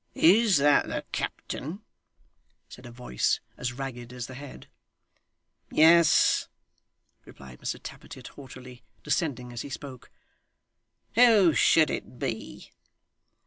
'Is that the captain?' said a voice as ragged as the head. 'Yes,' replied Mr Tappertit haughtily, descending as he spoke, 'who should it be?